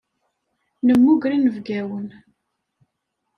Nemmuger inebgawen.